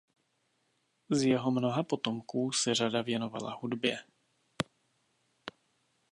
Z jeho mnoha potomků se řada věnovala hudbě.